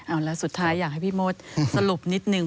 เอาแล้วสุดท้ายอยากให้พี่มดสรุปนิดนึง